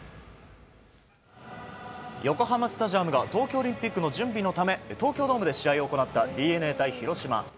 横浜スタジアムが東京オリンピックの準備のため東京ドームで試合を行ったＤｅＮＡ対広島。